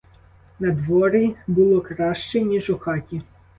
Надворі було краще, ніж у хаті.